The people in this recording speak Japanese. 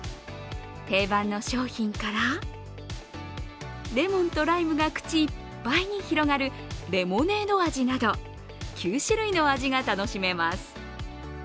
定番の商品から、レモンとライムが口いっぱいに広がるレモネード味など、９種類の味が楽しめます。